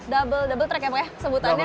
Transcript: double double track ya pak ya sebutannya